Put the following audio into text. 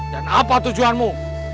dan apa tujuanmu